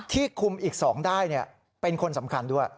คุมอีก๒ได้เป็นคนสำคัญด้วย